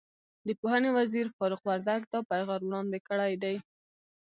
د پوهنې وزیر فاروق وردګ دا پیغام وړاندې کړی دی.